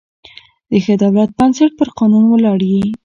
د ښه دولت بنسټ پر قانون ولاړ يي.